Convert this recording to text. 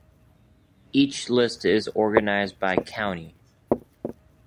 Each list is organized by county.